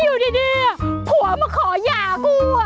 อยู่ดีผัวมาขอหย่ากู